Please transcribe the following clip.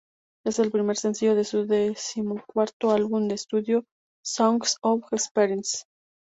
Es el primer sencillo de su decimocuarto álbum de estudio, "Songs of Experience".